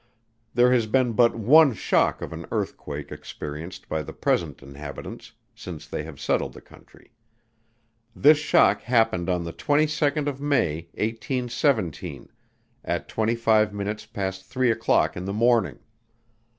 There has been but one shock of an earthquake experienced by the present inhabitants since they have settled the country. This shock happened on the 22d May, 1817, at 25 minutes past three o'clock in the morning.